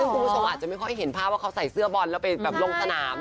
คุณผู้ชมอาจจะไม่ค่อยเห็นภาพว่าเขาใส่เสื้อบอลแล้วไปแบบลงสนาม